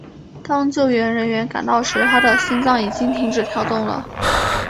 当救援人员赶到时他的心脏已经停止跳动了。